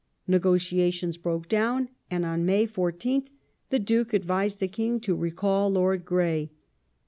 Negotiations broke down, and on May 14th the Duke advised the King to recall Lord Grey.